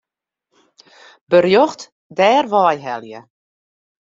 Berjocht dêrwei helje.